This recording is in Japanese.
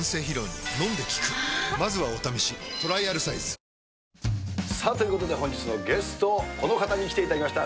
三菱電機さあ、ということで本日のゲスト、この方に来ていただきました。